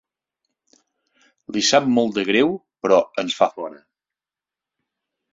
Li sap molt de greu però ens fa fora.